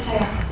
saya mau cek